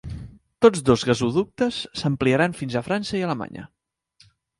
Tots dos gasoductes s'ampliaran fins a França i Alemanya.